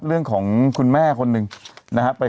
ชอบคุณครับ